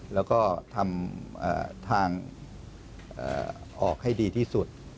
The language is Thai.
แล้วก็ทำทางออกให้ดีที่สุด